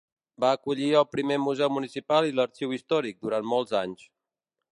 Va acollir el primer museu municipal i l'arxiu històric, durant molts anys.